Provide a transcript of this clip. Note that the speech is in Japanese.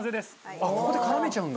あっここで絡めちゃうんだ。